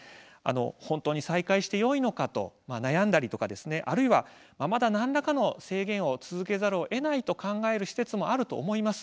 本当に再開してよいのかと悩んだり、あるいは、まだ何らかの制限を続けざるをえないと考える施設もあると思います。